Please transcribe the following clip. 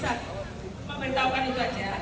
saya cuma mau memberitahukan itu saja